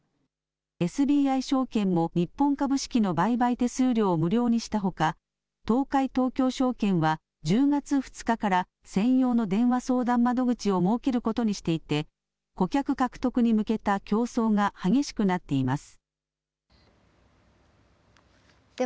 ＳＢＩ証券も日本株式の売買手数料を無料にしたほか東海東京証券は１０月２日から専用の電話相談窓口を設けることにしていて顧客獲得に向けた競争が激しくなっています。